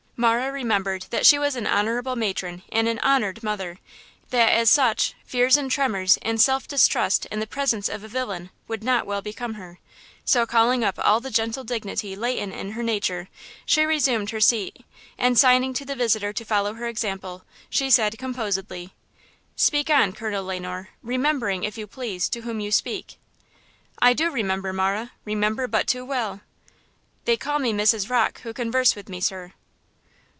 Marah remembered that she was an honorable matron and an honored mother; that, as such, fears and tremors and self distrust in the presence of a villain would not well become her; so calling up all the gentle dignity latent in her nature, she resumed her seat and, signing to the visitor to follow her example, she said composedly: "Speak on, Colonel Le Noir–remembering, if you please, to whom you speak." "I do remember, Marah; remember but too well." "They call me Mrs. Rocke who converse with me, sir."